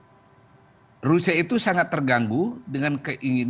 karena rusia itu sangat terganggu dengan keinginan ukraina